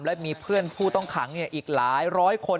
และมีเพื่อนผู้ต้องขังอีกหลายร้อยคน